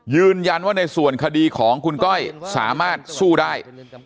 ยืนยันว่าในส่วนคดีของคุณก้อยสามารถสู้ได้